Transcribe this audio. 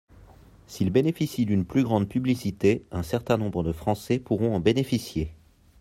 S’il bénéficie d’une plus grande publicité, un certain nombre de Français pourront en bénéficier.